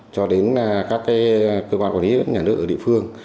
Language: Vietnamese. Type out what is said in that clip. cho đến các cơ quan quản lý nhà nước ở địa phương